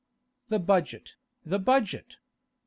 The budget, the budget!